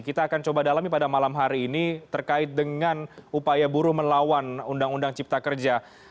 kita akan coba dalami pada malam hari ini terkait dengan upaya buruh melawan undang undang cipta kerja